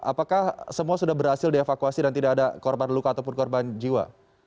apakah semua sudah berhasil dievakuasi dan tidak ada korban luka ataupun korban jiwa